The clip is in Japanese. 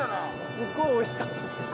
すっごいおいしかったです。